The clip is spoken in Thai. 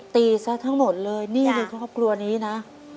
ตีซะทั้งหมดเลยนี่คือครอบครัวนี้นะ